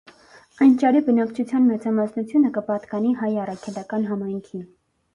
Այնճարի բնակչութեան մեծամասնութիւնը կը պատկանի հայ առաքելական համայնքին։